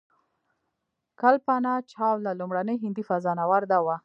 کلپنا چاوله لومړنۍ هندۍ فضانورده وه.